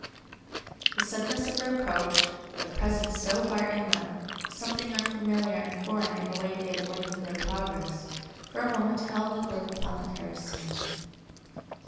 The suddenness of their approach, their presence so far inland, something unfamiliar and foreign in the way they had winged their progress, for a moment held the group upon the terrace silent.